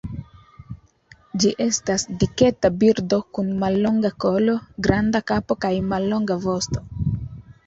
Ĝi estas diketa birdo, kun mallonga kolo, granda kapo kaj mallonga vosto.